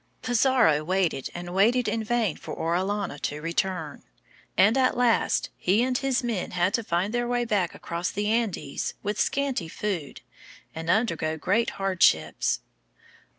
Pizarro waited and waited in vain for Orellana to return, and at last he and his men had to find their way back across the Andes with scanty food and undergo great hardships.